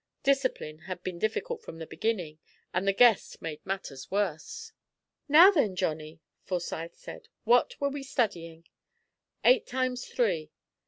Discipline had been difficult from the beginning, and the guest made matters worse. "Now, then, Johnny," Forsyth said, "what were we studying?" "Eight times three."